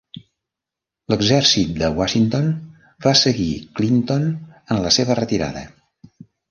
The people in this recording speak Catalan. L'exèrcit de Washington va seguir Clinton en la seva retirada.